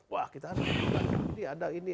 wah kita harus membuat ini ada ini